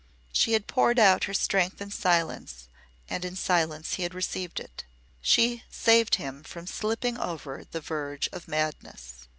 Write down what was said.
She had poured out her strength in silence, and in silence he had received it. She saved him from slipping over the verge of madness.